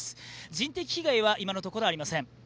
人的被害は今のところありません。